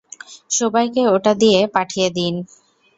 সবাইকে ওটা দিয়ে পাঠিয়ে দিন।